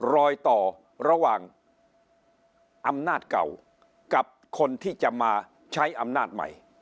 รอยต่อระหว่างอำนาจเก่ากับคนที่จะมาใช้อำนาจใหม่